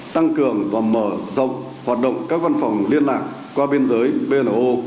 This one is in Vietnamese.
tăng cường và mở rộng hoạt động các văn phòng liên lạc qua biên giới bno